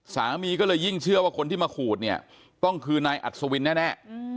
สามีก็เลยยิ่งเชื่อว่าคนที่มาขูดเนี่ยต้องคือนายอัศวินแน่